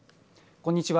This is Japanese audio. こんにちは。